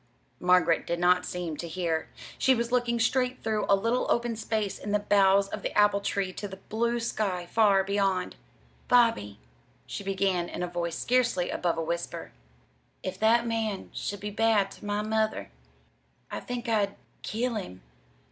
Margaret did not seem to hear. She was looking straight through a little open space in the boughs of the apple tree to the blue sky far beyond. "Bobby," she began in a voice scarcely above a whisper, "if that man should be bad to my mother I think I'd kill him."